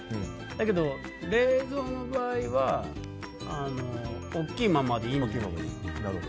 だけど冷蔵の場合は大きいままでいいのかなと。